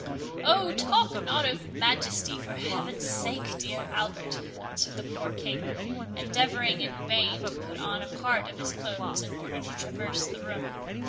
"Oh, talk not to Majesty, for Heaven's sake, dear Albert!" answered the poor King, endeavouring in vain to put on a part of his clothes, in order to traverse the room.